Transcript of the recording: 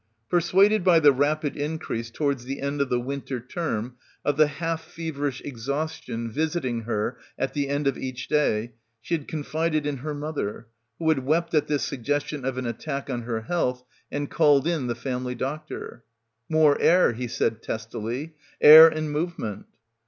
Persuaded by the rapid increase towards the end of the winter term of the half feverish exhaus tion visiting her at the end of each day she had confided in her mother, who had wept at this suggestion of an attack on her health and called in the family doctor. "More air," he said testily, "air and movement."